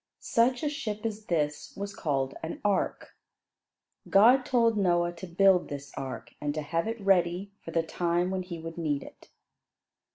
Such a ship as this was called "an ark." God told Noah to build this ark, and to have it ready for the time when he would need it.